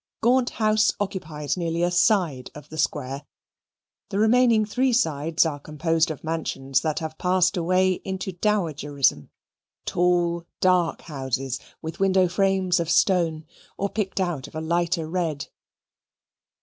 Gaunt House occupies nearly a side of the Square. The remaining three sides are composed of mansions that have passed away into dowagerism tall, dark houses, with window frames of stone, or picked out of a lighter red.